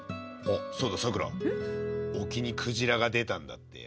沖にクジラが出たんだってよ。